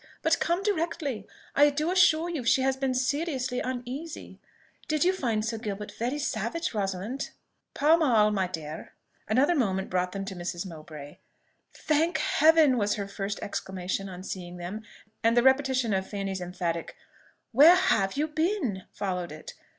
But come directly: I do assure you she has been seriously uneasy. Did you find Sir Gilbert very savage, Rosalind?" "Pas mal, my dear." Another moment brought them to Mrs. Mowbray. "Thank Heaven!" was her first exclamation on seeing them; and the repetition of Fanny's emphatic "Where have you been?" followed it.